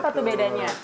apa tuh bedanya